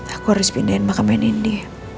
aku harus pindahin makam yang ini